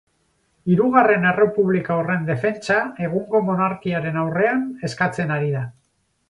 Hirugarren Errepublika horren defentsa egungo monarkiaren aurrean eskatzen ari da.